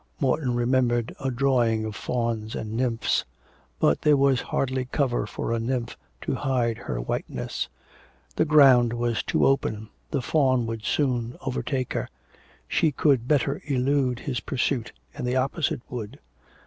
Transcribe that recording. Morton remembered a drawing of fauns and nymphs. But there was hardly cover for a nymph to hide her whiteness. The ground was too open, the faun would soon overtake her. She could better elude his pursuit in the opposite wood.